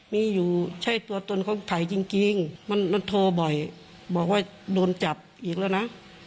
มีอยู่ใช่ตัวตนของไผ่จริงมันโทรบ่อยบอกว่าโดนจับอีกแล้วนะ